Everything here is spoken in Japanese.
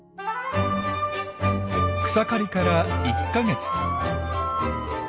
草刈りから１か月。